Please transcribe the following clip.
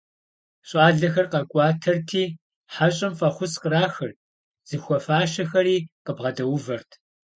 ЩӀалэхэр къэкӀуатэрти, хьэщӀэм фӀэхъус кърахырт, зыхуэфащэхэри къыбгъэдэувэрт.